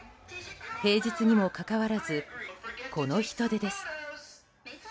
平日にもかかわらずこの人出です。